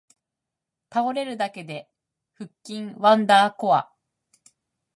倒れるだけで腹筋ワンダーコア